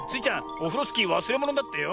オフロスキーわすれものだってよ。